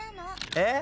えっ⁉